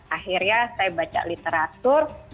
akhirnya saya baca literatur